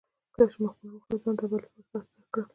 کله چې ما خپل روح او ځان د ابد لپاره تا ته درکړل.